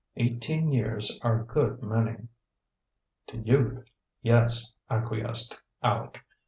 Eighteen years are a good many." "To youth, yes," acquiesced Aleck.